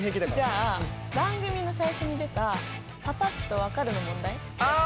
じゃあ番組の最初に出た「パパっと分かる」の問題やってみて。